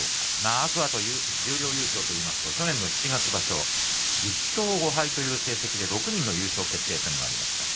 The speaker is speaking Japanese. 天空海は十両優勝というと去年の七月場所１０勝５敗という成績で６人の優勝決定戦がありました。